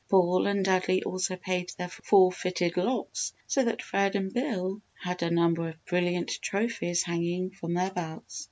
Paul and Dudley also paid their forfeited locks so that Fred and Bill had a number of brilliant trophies hanging from their belts.